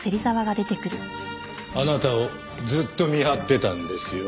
あなたをずっと見張ってたんですよ。